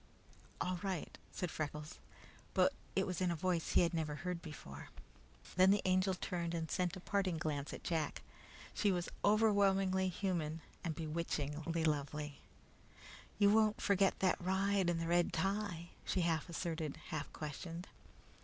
"All right," said Freckles, but it was in a voice that he never had heard before. Then the Angel turned and sent a parting glance at Jack. She was overpoweringly human and bewitchingly lovely. "You won't forget that ride and the red tie," she half asserted, half questioned.